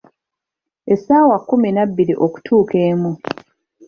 Essaawa kkumi na bbiri okutuuka emu.